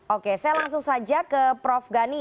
oke saya langsung saja ke prof gani